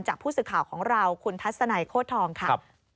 จากผู้สื่อข่าวของเราคุณทัศไหน้โค้ดทองครับ